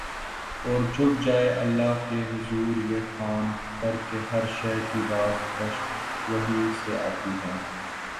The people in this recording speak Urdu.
اور جھک جائیں اللہ کے حضور یہ جان کر کہ ہر شے کی باز گشت وہیں سے آتی ہے ۔